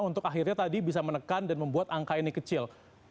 untuk akhirnya tadi bisa menekan dan membuat angka ini kecil